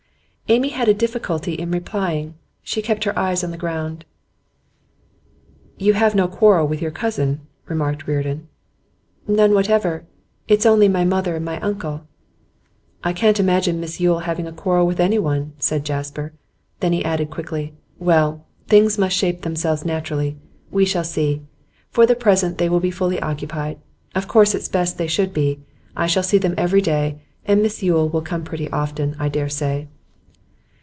Amy had a difficulty in replying. She kept her eyes on the ground. 'You have had no quarrel with your cousin,' remarked Reardon. 'None whatever. It's only my mother and my uncle.' 'I can't imagine Miss Yule having a quarrel with anyone,' said Jasper. Then he added quickly: 'Well, things must shape themselves naturally. We shall see. For the present they will be fully occupied. Of course it's best that they should be. I shall see them every day, and Miss Yule will come pretty often, I dare say.